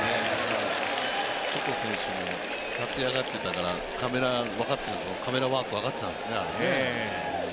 ソト選手も立ち上がってたから、カメラワーク分かってたんでしょうね。